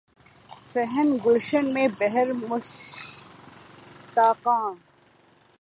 صحن گلشن میں بہر مشتاقاں